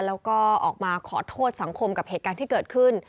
แล้วก็ออกมาขอโทษสังคมกับเหตุการณ์ที่เกิดขึ้น